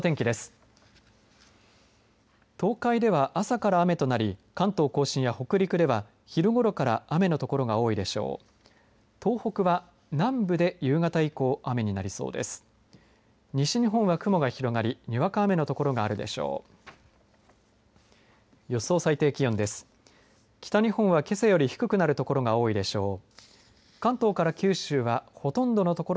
西日本は雲が広がりにわか雨の所があるでしょう。